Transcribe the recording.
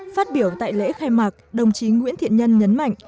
phát biểu tại lễ khai mạc đồng chí nguyễn thiện nhân nhấn mạnh